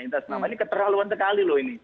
ini keterlaluan sekali loh ini